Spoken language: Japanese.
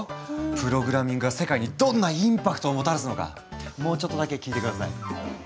プログラミングは世界にどんなインパクトをもたらすのかもうちょっとだけ聞いて下さい。